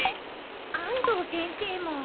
安藤先生も。